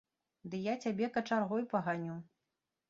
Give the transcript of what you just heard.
Ды я цябе качаргой паганю.